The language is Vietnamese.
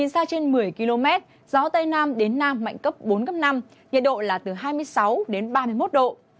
xa trên một mươi km gió tây nam đến nam mạnh cấp bốn cấp năm nhiệt độ là từ hai mươi sáu đến ba mươi một độ